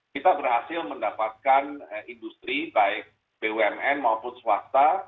kita berhasil mendapatkan industri baik bumn maupun swasta